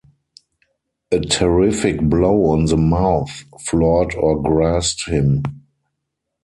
A terrific blow on the mouth floored or grassed him.